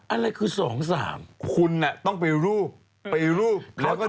อะไรคือสองสามคุณน่ะต้องไปรูปไปรูปแล้วก็ดู